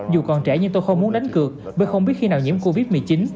dù còn trẻ nhưng tôi không muốn đánh cược vì không biết khi nào nhiễm covid một mươi chín